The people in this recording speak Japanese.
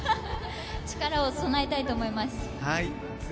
力を備えたいと思います。